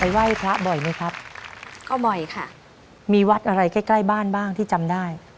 ไหว้พระบ่อยไหมครับก็บ่อยค่ะมีวัดอะไรใกล้ใกล้บ้านบ้างที่จำได้